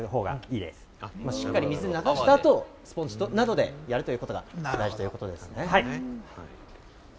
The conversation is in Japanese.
水でしっかり流したあと、スポンジなどで流してあげることが良いということですね。